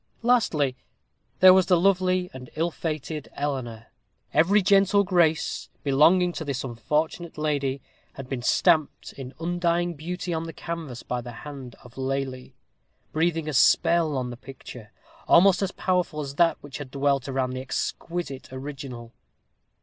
Lastly, there was the lovely and ill fated Eleanor. Every gentle grace belonging to this unfortunate lady had been stamped in undying beauty on the canvas by the hand of Lely, breathing a spell on the picture, almost as powerful as that which had dwelt around the exquisite original.